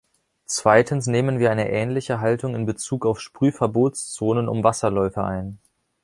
Zweitens nehmen wir eine ähnliche Haltung in Bezug auf Sprühverbotszonen um Wasserläufe ein.